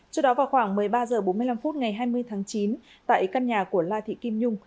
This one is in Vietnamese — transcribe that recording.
trước đó vào khoảng một mươi ba h bốn mươi năm ngày hai mươi tháng chín tại căn nhà của la thị kim nhung